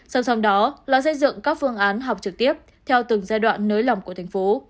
song song đó là xây dựng các phương án học trực tiếp theo từng giai đoạn nới lỏng của thành phố